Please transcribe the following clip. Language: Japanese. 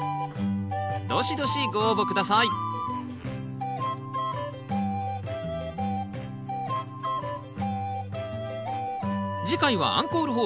どしどしご応募下さい次回はアンコール放送